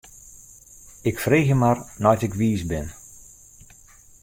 Ik freegje mar nei't ik wiis bin.